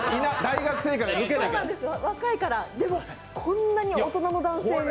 若いから、でも、こんなに大人の男性に。